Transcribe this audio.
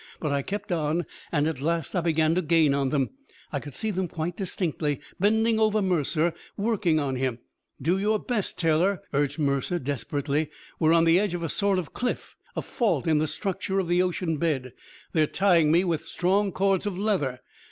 But I kept on, and at last I began to gain on them; I could see them quite distinctly, bending over Mercer, working on him.... "Do your best, Taylor," urged Mercer desperately. "We're on the edge of a sort of cliff; a fault in the structure of the ocean bed. They're tying me with strong cords of leather.